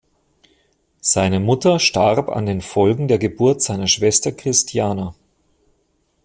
Seine Mutter starb an den Folgen der Geburt seiner Schwester Christiana.